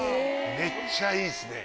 めっちゃいいですね。